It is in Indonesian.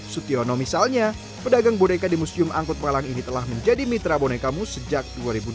sutiono misalnya pedagang boneka di museum angkut palang ini telah menjadi mitra bonekamu sejak dua ribu dua belas